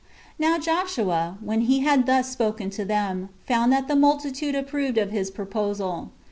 21. Now Joshua, when he had thus spoken to them, found that the multitude approved of his proposal.